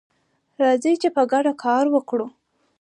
راځئ چې په ګډه کار وکړو.